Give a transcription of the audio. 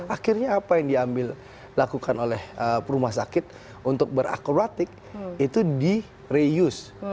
akhirnya apa yang diambil lakukan oleh rumah sakit untuk berakuratik itu direuse